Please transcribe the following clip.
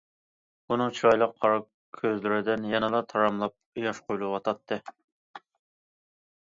ئۇنىڭ چىرايلىق قارا كۆزلىرىدىن يەنىلا تاراملاپ ياش قۇيۇلۇۋاتاتتى.